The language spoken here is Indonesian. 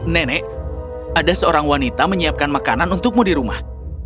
nenek ada seorang wanita menyiapkan makanan untukmu di rumah